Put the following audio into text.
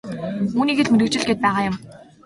Үүнийгээ л мэргэжил гээд байгаа юм.